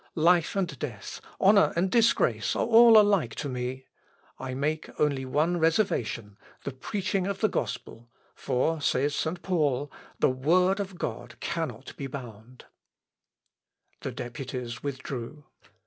Life and death, honour and disgrace, are all alike to me: I make only one reservation the preaching of the gospel; for, says St. Paul, 'The word of God cannot be bound.'" The deputies withdrew.